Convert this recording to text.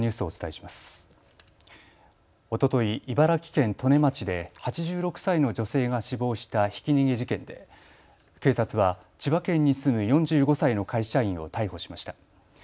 おととい、茨城県利根町で８６歳の女性が死亡したひき逃げ事件で警察は千葉県に住む４５歳の会社員を逮捕しました。